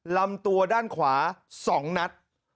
ลำตัวด้านขวา๒นัด